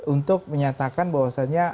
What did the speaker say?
untuk menyatakan bahwasannya